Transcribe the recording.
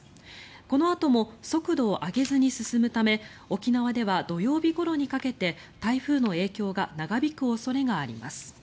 このあとも速度を上げずに進むため沖縄では土曜日ごろにかけて台風の影響が長引く恐れがあります。